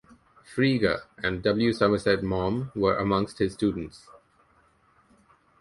Frege and W. Somerset Maugham were amongst his students.